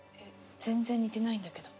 全然似てないんだけど。